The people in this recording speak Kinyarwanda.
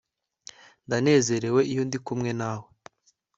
Ndanezerewe iyo ndi kumwe nawe